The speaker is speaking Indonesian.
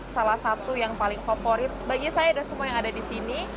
salah satu yang paling favorit bagi saya dan semua yang ada di sini